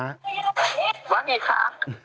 วันนี้ค่ะ